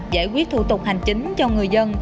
giải quyết thủ tục hành chính cho người dân